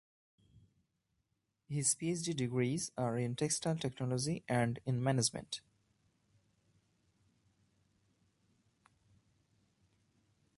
His PhD degrees are in Textile Technology and in Management.